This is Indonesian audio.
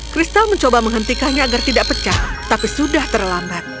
kristal mencoba menghentikannya agar tidak pecah tapi sudah terlambat